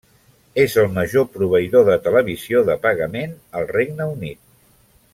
És el major proveïdor de televisió de pagament al Regne Unit.